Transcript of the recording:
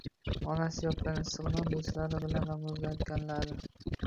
onasi yopgan issiq non, do‘stlari bilan ramazon aytganlari